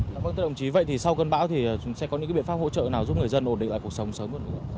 dạ vâng thưa đồng chí vậy thì sau cơn bão thì sẽ có những biện pháp hỗ trợ nào giúp người dân ổn định lại cuộc sống sớm hơn nữa không